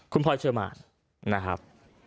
คุณพลอยเชอร์มานนะครับ